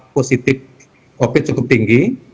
positif covid cukup tinggi